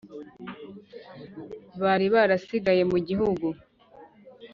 Bari barasigaye mu gihugu